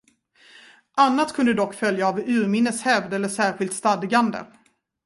Annat kunde dock följa av urminnes hävd eller särskilt stadgande.